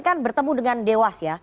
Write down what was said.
kan bertemu dengan dewas